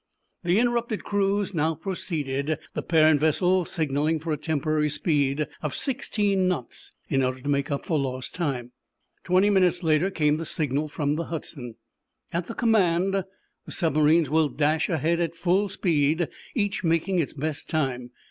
The interrupted cruise now proceeded, the parent vessel signaling for a temporary speed of sixteen knots in order to make up for lost time. Twenty minutes later came the signal from the "Hudson:" "At the command, the submarines will dash ahead at full speed, each making its best time.